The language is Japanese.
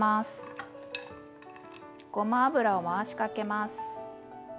ごま油を回しかけます。